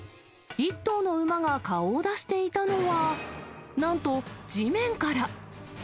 １頭の馬が顔を出していたのは、なんと、地面から。